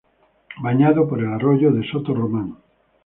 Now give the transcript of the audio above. Bañado por el arroyo de Soto Román.